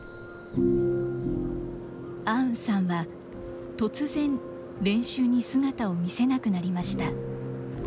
アウンさんは突然、練習に姿を見せなくなりました。